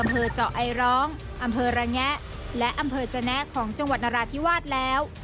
อำเภอเจาะไอร้องอำเภอระแงะและอำเภอจนะของจังหวัดนราธิวาสแล้ว